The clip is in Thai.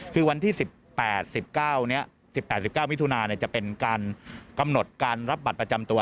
คือวันที่๑๘๑๙๑๘๑๙มิถุนาจะเป็นการกำหนดการรับบัตรประจำตัว